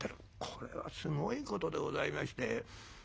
これはすごいことでございまして。